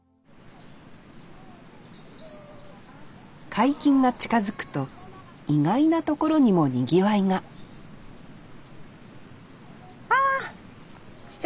解禁が近づくと意外なところにもにぎわいがあちっちゃいお子さんがいる。